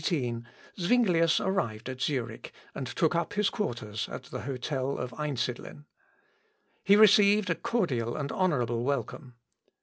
] On the 27th December, 1518, Zuinglius arrived at Zurich, and took up his quarters at the hotel of Einsidlen. He received a cordial and honourable welcome.